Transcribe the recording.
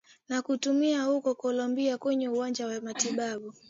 na kutumiwa huko Colombia kwenye uwanja wa matibabu